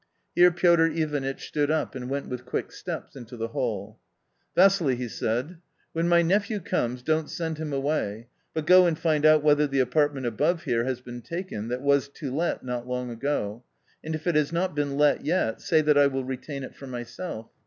Here Piotr Ivanitch stood up and went with quick steps into the hall. f '" Vassili !" he said, " when my nephew comes, don't send 1 him away. But go and find out whether the apartment above here has beenfake^ that was tQ.fet not long ago^ and ifiTlias riot"Beeh let yet, say that I will retain it for myself.